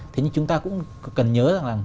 thế nhưng chúng ta cũng cần nhớ rằng là